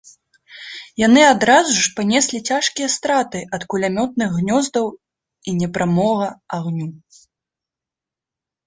Яны адразу ж панеслі цяжкія страты ад кулямётных гнёздаў і непрамога агню.